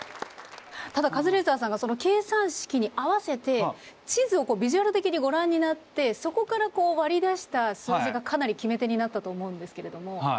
ただカズレーザーさんがその計算式に合わせて地図をビジュアル的にご覧になってそこから割り出した数字がかなり決め手になったと思うんですけれども。